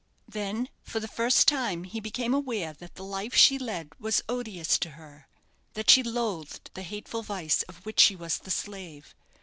Then, for the first time, he became aware that the life she led was odious to her; that she loathed the hateful vice of which she was the slave.